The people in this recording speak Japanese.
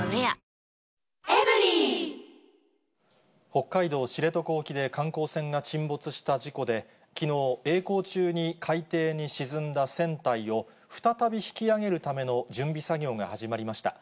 北海道知床沖で観光船が沈没した事故で、きのう、えい航中に海底に沈んだ船体を再び引き揚げるための準備作業が始まりました。